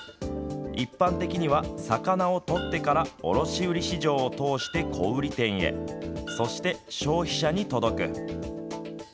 一般的には魚を取ってから卸売市場を通して小売店へそして消費者に届く。